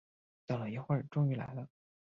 等了一会儿终于来了